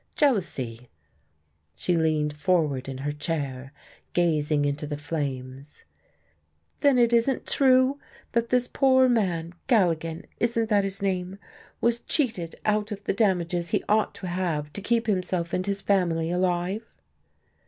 Jealousy." She leaned forward in her chair, gazing into the flames. "Then it isn't true that this poor man, Galligan isn't that his name? was cheated out of the damages he ought to have to keep himself and his family alive?"